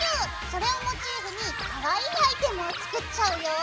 それをモチーフにかわいいアイテムを作っちゃうよ。